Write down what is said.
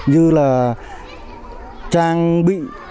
như là trang bị